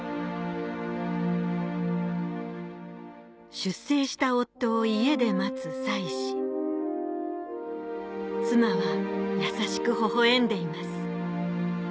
出征した夫を家で待つ妻子妻は優しくほほ笑んでいます